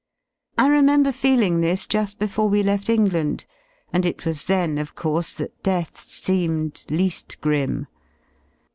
I remember feeling this ju^ before we left England, and it was then, of course, that death seemed lea^ grim.